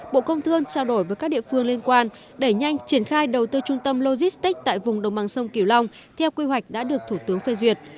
bộ công thương trao đổi với các địa phương liên quan đẩy nhanh triển khai đầu tư trung tâm logistics tại vùng đồng bằng sông kiều long theo quy hoạch đã được thủ tướng phê duyệt